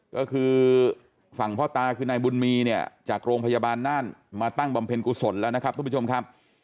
ก็คือฝั่งพ่อตาคือนายบุญมีเนี่ยจากโรงพยาบาลน่านมาตั้งบำเพ็ญกุศลแล้วนะครับทุกผู้ชมครับ